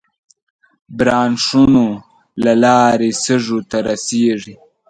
برانشونو له لارې سږو ته رسېږي.